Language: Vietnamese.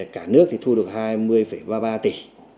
cả nước thì thu được hai mươi ba mươi ba tỷ